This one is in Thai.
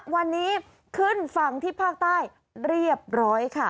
วันนี้ขึ้นฝั่งที่ภาคใต้เรียบร้อยค่ะ